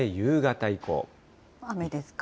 雨ですか。